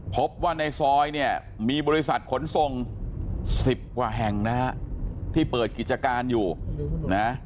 พบว่าในซอยเนี่ยมีบริษัทขนส่ง๑๐กว่าแห่งนะฮะที่เปิดกิจการอยู่นะ